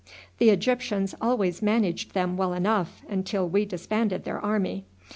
The Egyptians always managed them well enough until we disbanded their army.